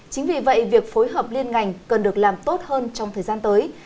chính vì vậy việc phối hợp liên ngành cần được làm tốt hơn trong thời gian tới